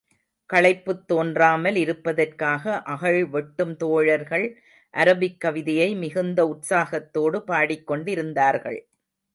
களைப்புத் தோன்றாமல் இருப்பதற்காக, அகழ் வெட்டும் தோழர்கள் அரபிக் கவிதையை மிகுந்த உற்சாகத்தோடு பாடிக் கொண்டிருந்தார்கள்.